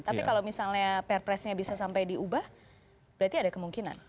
tapi kalau misalnya perpresnya bisa sampai diubah berarti ada kemungkinan